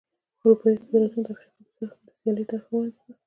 اروپايي قدرتونو د افریقا پر سر د سیالۍ طرحه وړاندې کړه.